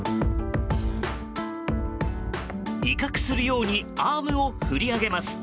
威嚇するようにアームを振り上げます。